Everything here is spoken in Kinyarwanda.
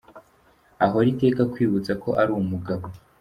Ahora iteka akwibutsa ko ari umugabo.